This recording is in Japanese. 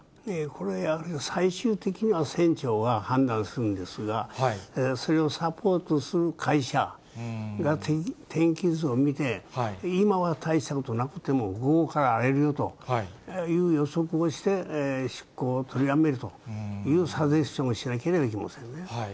これ、最終的には船長が判断するんですが、それをサポートする会社が天気図を見て、今は大したことなくても、午後から荒れるよという予測をして、出航を取りやめるというサジェスチョンをしなければいけませんね。